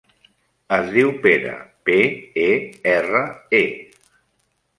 Es diu Pere: pe, e, erra, e.